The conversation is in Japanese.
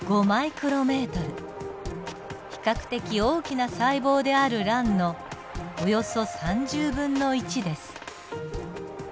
比較的大きな細胞である卵のおよそ３０分の１です。